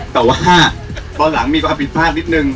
แต่ว่าตอนหลังมีความผิดพลาดนิดนึง